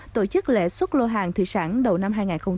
tổ chức lễ xuất lô hàng thủy sản đầu năm hai nghìn một mươi tám